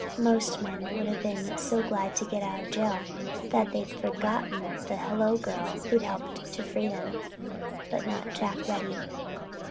Most men would have been so glad to get out of jail they'd have forgotten the hello girl who'd helped to free them, but not Jack Reddy.